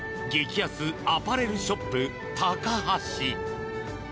激安アパレルショップタカハシ。